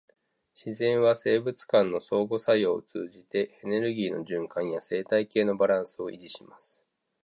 自然は生物間の相互作用を通じて、エネルギーの循環や生態系のバランスを維持します。